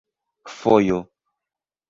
fojo